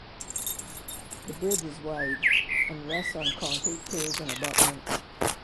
The bridge is wide and rests on concrete piers and abutments.